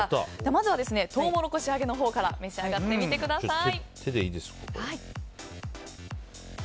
まずはトウモロコシ揚げのほうから召し上がってみてください。